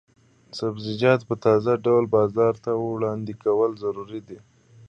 سبزیجات په تازه ډول بازار ته وړاندې کول ضروري دي.